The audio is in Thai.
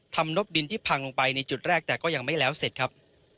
นบดินที่พังลงไปในจุดแรกแต่ก็ยังไม่แล้วเสร็จครับ